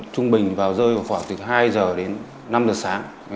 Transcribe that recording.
trung bình vào rơi vào khoảng từ hai giờ đến năm giờ sáng